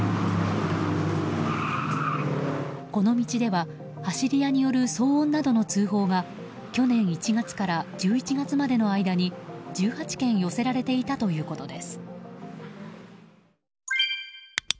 この道では、走り屋による騒音などの通報が去年１月から１１月までの間に１８件寄せられていたということです。